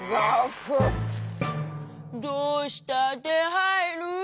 「どうしたってはいるよ。